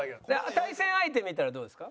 対戦相手見たらどうですか？